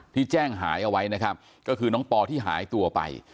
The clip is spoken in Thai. ที่แจ้งหายเอาไว้นะครับก็คือน้องปอที่หายตัวไป